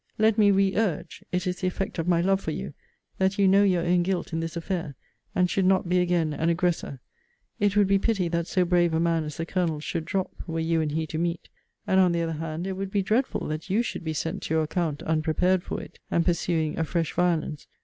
Let me re urge, [it is the effect of my love for you!] that you know your own guilt in this affair, and should not be again an aggressor. It would be pity that so brave a man as the Colonel should drop, were you and he to meet: and, on the other hand, it would be dreadful that you should be sent to your account unprepared for it, and pursuing a fresh violence.